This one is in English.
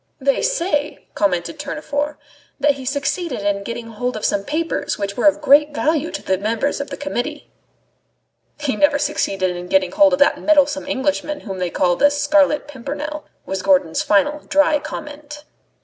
"They say," commented Tournefort, "that he succeeded in getting hold of some papers which were of great value to the members of the Committee." "He never succeeded in getting hold of that meddlesome Englishman whom they call the Scarlet Pimpernel," was Gourdon's final dry comment.